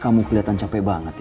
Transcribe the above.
kamu kelihatan capek banget ya